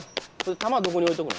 玉はどこに置いとくの？